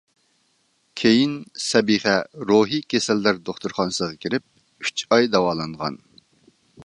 كېيىن سەبىخە روھىي كېسەللەر دوختۇرخانىسىغا كىرىپ ئۈچ ئاي داۋالانغان.